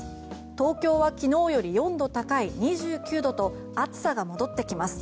東京は昨日より４度高い２９度と暑さが戻ってきます。